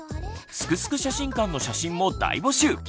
「すくすく写真館」の写真も大募集！